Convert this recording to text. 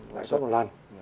lại suất một lần